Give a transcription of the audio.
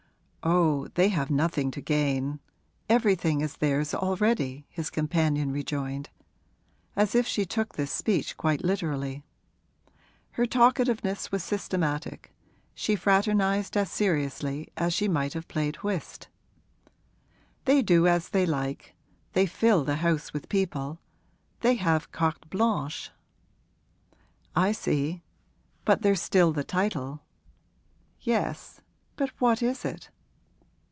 'Oh, they have nothing to gain everything is theirs already!' his companion rejoined, as if she took this speech quite literally. Her talkativeness was systematic she fraternised as seriously as she might have played whist. 'They do as they like they fill the house with people they have carte blanche.' 'I see but there's still the title.' 'Yes, but what is it?'